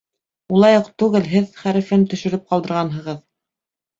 Улай уҡ түгел, һеҙ... хәрефен төшөрөп ҡалдырғанһығыҙ